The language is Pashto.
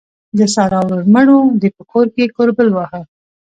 د سارا ورور مړ وو؛ دې په کور کې کوربل واهه.